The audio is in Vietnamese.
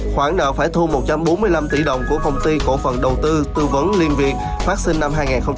khoản nợ phải thu một trăm bốn mươi năm tỷ đồng của công ty cổ phần đầu tư tư vấn liên việt phát sinh năm hai nghìn một mươi